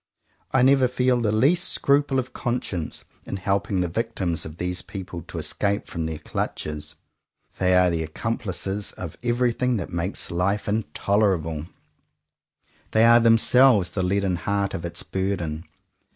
I never feel the least scruple of conscience in helping the victims of these people to escape from their clutches. They are the accomplices of everything that makes life intolerable. They JOHN COWPER POWYS are themselves the leaden heart of its burden.